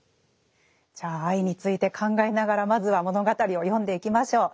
じゃあ愛について考えながらまずは物語を読んでいきましょう。